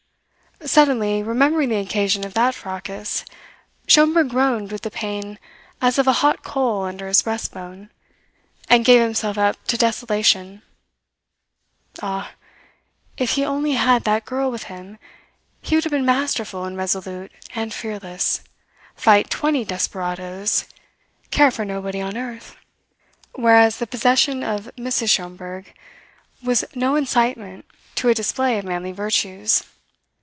Suddenly, remembering the occasion of that "fracas," Schomberg groaned with the pain as of a hot coal under his breastbone, and gave himself up to desolation. Ah, if he only had that girl with him he would have been masterful and resolute and fearless fight twenty desperadoes care for nobody on earth! Whereas the possession of Mrs. Schomberg was no incitement to a display of manly virtues.